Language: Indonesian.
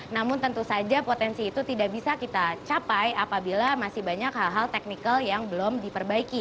namun tentu saja potensi itu tidak bisa kita capai apabila masih banyak hal hal technical yang belum diperbaiki